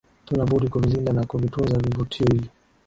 Hatuna budi kuvilinda na kuvitunza vivutio hivi